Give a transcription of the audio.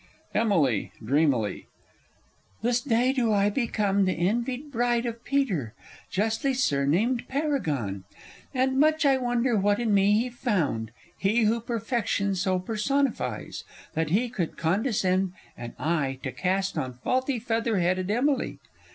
_ Emily (dreamily). This day do I become the envied bride Of Peter, justly surnamed Paragon; And much I wonder what in me he found (He, who Perfection so personifies) That he could condescend an eye to cast On faulty feather headed Emily!